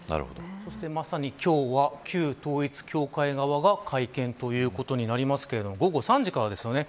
そして、まさに今日は旧統一教会側が会見ということになりますが午後３時からですよね。